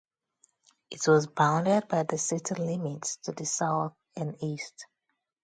It was bounded by the city limits to the south and east.